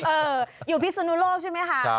เอออยู่พิศนุโลกใช่ไหมคะ